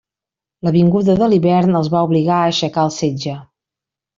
La vinguda de l'hivern els va obligar a aixecar el setge.